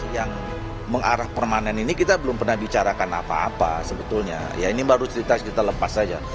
yang mengarah permanen ini kita belum pernah bicarakan apa apa sebetulnya ya ini baru cerita kita lepas saja